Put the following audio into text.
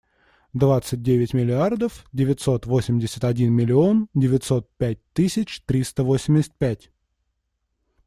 Двадцать девять миллиардов девятьсот восемьдесят один миллион девятьсот пять тысяч триста восемьдесят пять.